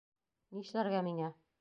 Ни эшләргә миңә?